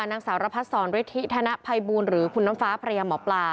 นางสารพสรรค์วิทยุทธิธนภัยบูรณ์หรือคุณน้ำฟ้าพระยะหมอปลา